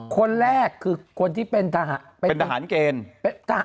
คนแรกคือคนที่เป็นทหารเกณฑ์